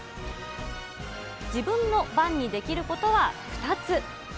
自分の番にできることは２つ。